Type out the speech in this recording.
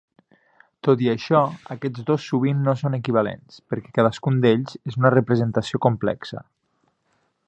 Tot i això, aquests dos sovint no són equivalents, perquè cadascun d'ells és una representació complexa.